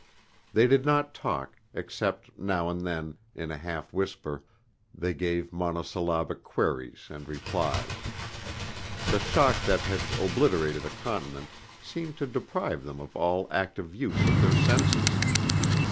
They did not talk, except now and then, in a half whisper, they gave monosyllabic queries and replies. The shock that had obliterated a continent seemed to deprive them of all active use of their senses.